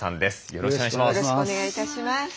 よろしくお願いします。